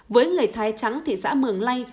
với lời thái trắng thị xã mường lây